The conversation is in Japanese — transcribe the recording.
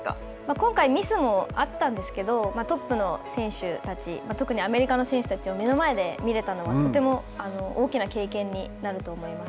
今回ミスもあったんですけれども、トップの選手たち、特にアメリカの選手たちを目の前で見れたのは、とても大きな経験になると思います。